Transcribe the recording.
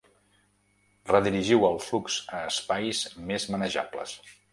Redirigiu el flux a espais més manejables.